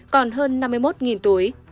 còn hơn năm mươi một túi